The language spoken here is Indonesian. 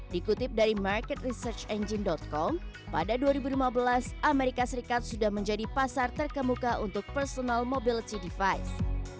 dikutip dari market research engine com pada dua ribu lima belas amerika serikat sudah menjadi pasar terkemuka untuk personal mobility device